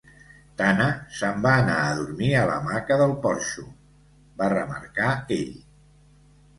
"Tana se'n va a anar a dormir a l'hamaca del porxo", va remarcar ell.